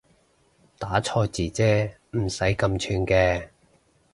打錯字啫唔使咁串嘅